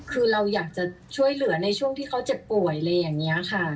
คือเราอยากจะช่วยเหลือในช่วงที่เขาเจ็บป่วยอะไรอย่างนี้ค่ะ